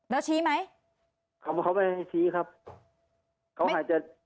แล้วชี้ไหมเขาไม่ให้ชี้ครับเขาอาจจะ